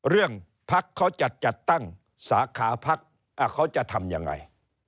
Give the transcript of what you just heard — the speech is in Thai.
พักเขาจะจัดตั้งสาขาพักเขาจะทำยังไง